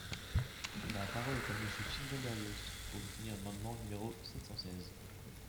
La parole est à Monsieur Sylvain Berrios, pour soutenir l’amendement numéro sept cent seize.